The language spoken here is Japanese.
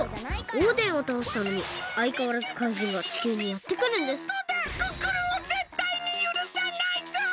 オーデンをたおしたのにあいかわらず怪人が地球にやってくるんですクックルンをぜったいにゆるさないぞ！